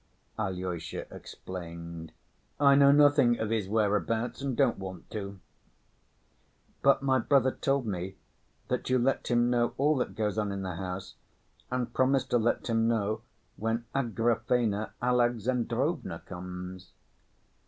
Alyosha explained. "I know nothing of his whereabouts and don't want to." "But my brother told me that you let him know all that goes on in the house, and promised to let him know when Agrafena Alexandrovna comes."